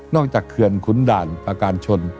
จากเขื่อนขุนด่านประการชน